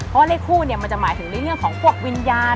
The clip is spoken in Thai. เพราะว่าเลขคู่มันจะหมายถึงในเรื่องของพวกวิญญาณ